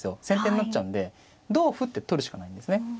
先手になっちゃうんで同歩って取るしかないんですね。